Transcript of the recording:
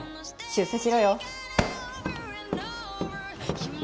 出世しろよ。